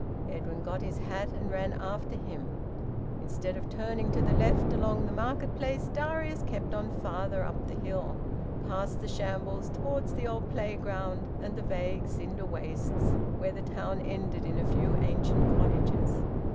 Edwin got his hat and ran after him. Instead of turning to the left along the market place, Darius kept on farther up the hill, past the Shambles, towards the old playground and the vague cinder wastes where the town ended in a few ancient cottages.